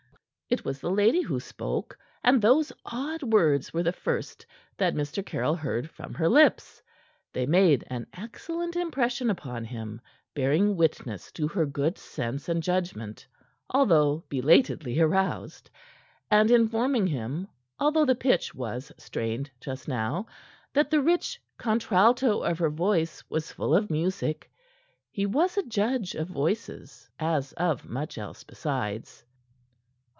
It was the lady who spoke, and those odd words were the first that Mr. Caryll heard from her lips. They made an excellent impression upon him, bearing witness to her good sense and judgment although belatedly aroused and informing him, although the pitch was strained just now; that the rich contralto of her voice was full of music. He was a judge of voices, as of much else besides.